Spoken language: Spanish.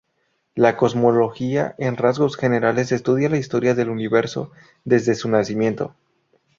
La cosmología en rasgos generales estudia la historia del universo desde su nacimiento.